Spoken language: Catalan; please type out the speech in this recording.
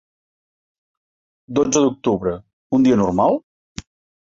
Dotze d’octubre, un dia normal?